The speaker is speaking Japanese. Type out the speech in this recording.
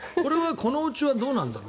このおうちはどうなんだろう？